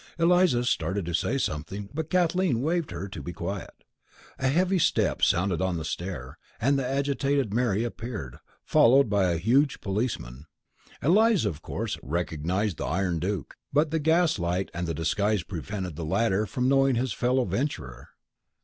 Eliza started to say something, but Kathleen waved her to be quiet. A heavy step sounded on the stair, and the agitated Mary appeared, followed by a huge policeman. Eliza, of course, recognized the Iron Duke, but the gas light and the disguise prevented the latter from knowing his fellow venturer.